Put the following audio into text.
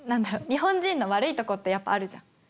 日本人の悪いとこってやっぱあるじゃん。